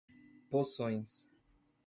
Poções